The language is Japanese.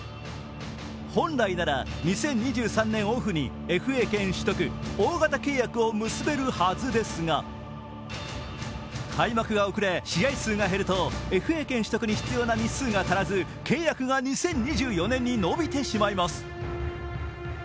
本来なら２０２３年オフにＦＡ権取得、大型契約を結べるはずですが、開幕が遅れ、試合数が減ると、ＦＡ権取得に必要な日数をクリアできず、契約が２０２４年に延びてしまいます。